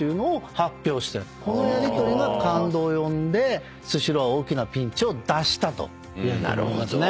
このやりとりが感動を呼んでスシローは大きなピンチを脱したといわれておりますね。